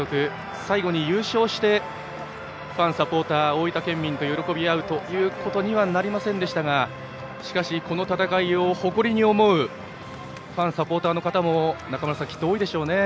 最後に優勝してファン、サポーター大分県民と喜び合うことにはなりませんでしたがしかし、この戦いを誇りに思うファン、サポーターの方も中村さん、きっと多いでしょうね。